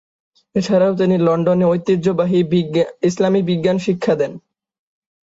এছাড়াও তিনি লন্ডনে ঐতিহ্যবাহী ইসলামী বিজ্ঞান শিক্ষা দেন।